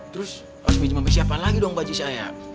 terus harus minjem abis siapaan lagi dong pak aji saya